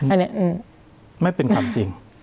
อันนี้ไม่เป็นความจริง